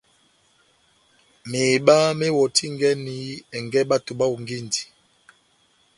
Meheba mewɔtingɛni ɛngɛ bato bahongindi.